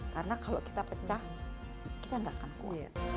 karena kalau kita pecah kita tidak akan kuat